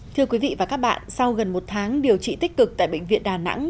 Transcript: thưa quý vị và các bạn sau gần một tháng điều trị tích cực tại bệnh viện đà nẵng